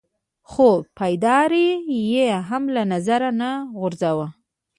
خو پادري يي هم له نظره نه غورځاوه.